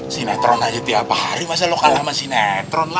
sinetron aja tiap hari masa lo kalah sama sinetron lah